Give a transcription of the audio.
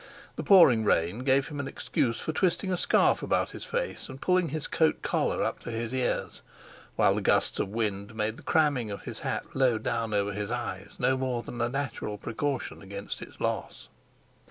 The pouring rain gave him an excuse for twisting a scarf about his face and pulling his coat collar up to his ears, while the gusts of wind made the cramming of his hat low down over his eyes no more than a natural precaution against its loss.